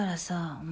お前